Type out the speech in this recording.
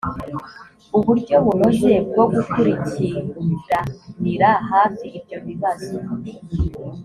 uburyo bunoze bwo gukurikiranira hafi ibyo bibazo